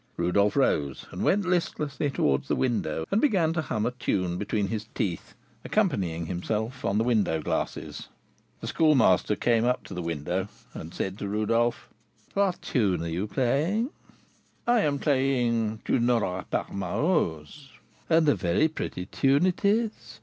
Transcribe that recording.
Rodolph rose and went listlessly towards the window, and began to hum a tune between his teeth, accompanying himself on the window glasses. The Schoolmaster came up to the window and said to Rodolph: "What tune are you playing?" "I am playing 'Tu n'auras pas ma rose.'" "And a very pretty tune it is.